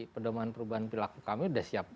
pedoman perubahan perilaku kami sudah siap